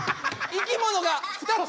生き物が２つ？